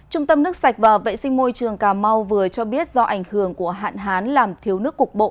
trung tâm nước sạch và vệ sinh môi trường cà mau vừa cho biết do ảnh hưởng của hạn hán làm thiếu nước cục bộ